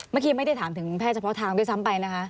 เมื่อกี้ไม่ได้ถามถึงแพทย์เฉพาะทางด้วยซ้ำไปนะคะ